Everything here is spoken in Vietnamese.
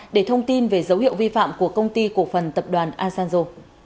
để thông tin về dấu hiệu vi phạm của công ty cổ phần tập đoàn asanjo